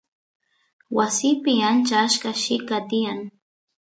wasiypi ancha achka llika tiyan